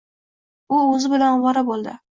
U o’zi bilan ovora bo’ldi.